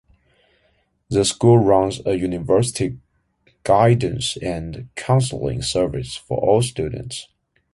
The school runs a university guidance and counseling service for all students.